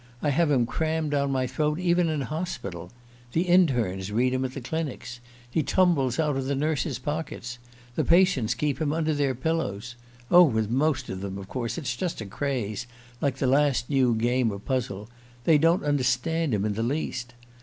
I have him crammed down my throat even in hospital. The internes read him at the clinics. He tumbles out of the nurses' pockets. The patients keep him under their pillows. Oh, with most of them, of course, it's just a craze, like the last new game or puzzle: they don't understand him in the least.